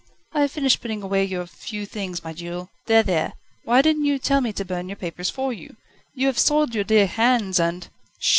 "I have finished putting away your few things, my jewel. There, there! why didn't you tell me to burn your papers for you? You have soiled your dear hands, and